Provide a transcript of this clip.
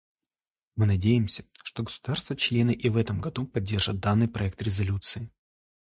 Мы надеемся, что государства-члены и в этом году поддержат данный проект резолюции.